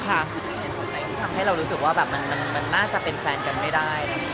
คือเหตุผลอะไรที่ทำให้เรารู้สึกว่ามันน่าจะเป็นแฟนกันไม่ได้